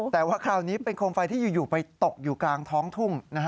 แต่ว่าคราวนี้เป็นโคมไฟที่อยู่ไปตกอยู่กลางท้องทุ่ง